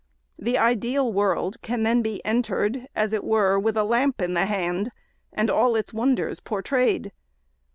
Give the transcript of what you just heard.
The ideal world can then be entered, as it were with a lamp in the hand, and all its wonders por trayed.